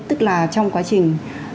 tức là trong quá trình